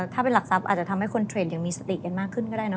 ถ้าเป็นหลักทรัพย์อาจจะทำให้คนเทรนดยังมีสติกันมากขึ้นก็ได้เนอ